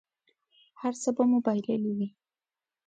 هر څه به مو بایللي وي.